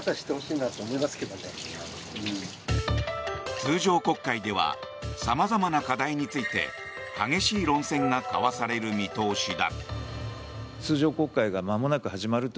通常国会では様々な課題について激しい論戦が交わされる見通しだ。